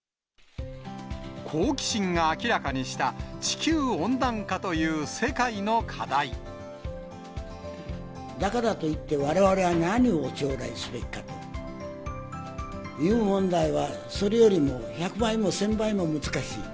好奇心が明らかにした、だからといって、われわれは何を将来すべきかという問題は、それよりも１００倍も１０００倍も難しい。